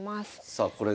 さあこれが？